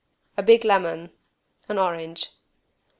A big lemon. An orange.